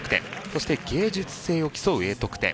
そして芸術性を競うＡ得点。